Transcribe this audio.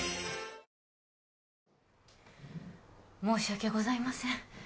申し訳ございません